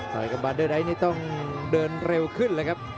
รอยกำบัดด้วยดายนี่ต้องเดินเร็วขึ้นละครับ